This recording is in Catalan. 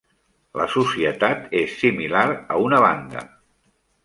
La societat és similar a una banda.